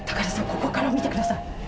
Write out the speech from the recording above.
ここから見てください。